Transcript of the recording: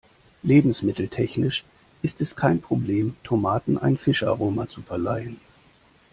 Lebensmitteltechnisch ist es kein Problem, Tomaten ein Fischaroma zu verleihen.